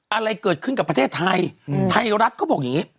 อะไรเกิดขึ้นกับประเทศไทยไทยรัฐเขาบอกอย่างนี้